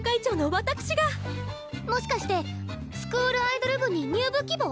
もしかしてスクールアイドル部に入部希望？